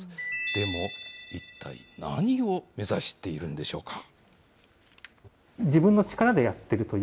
でも一体何を目指しているんでしょうか。